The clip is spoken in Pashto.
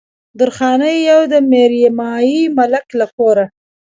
درخانۍ يې د ميرمايي ملک له کوره